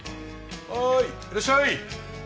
はーいいらっしゃい！